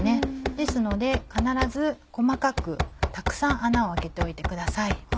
ですので必ず細かくたくさん穴を開けておいてください。